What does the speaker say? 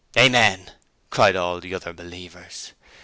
'Amen,' cried all the other believers.